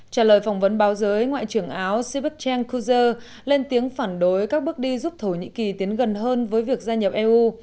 trả lời phỏng vấn báo giới ngoại trưởng áo sibuk chang ku je lên tiếng phản đối các bước đi giúp thổ nhĩ kỳ tiến gần hơn với việc gia nhập eu